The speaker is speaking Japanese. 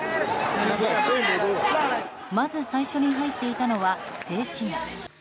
まず最初に入っていたのは静止画。